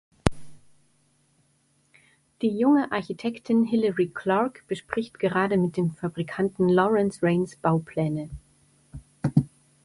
Die junge Architektin Hilary Clarke bespricht gerade mit dem Fabrikanten Laurence Rains Baupläne.